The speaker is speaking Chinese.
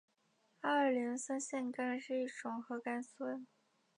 二磷酸腺苷是一种核苷酸。